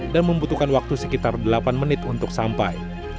dan membutuhkan waktu sekitar delapan menit untuk sampai